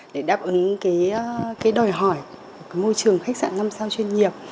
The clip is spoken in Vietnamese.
để đáp ứng cái đòi hỏi của môi trường khách sạn năm sao chuyên nghiệp